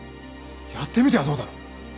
やってみてはどうだろう。